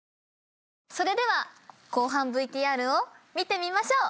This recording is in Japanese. それでは後半ＶＴＲを見てみましょう。